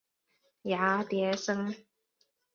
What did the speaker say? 芽叠生。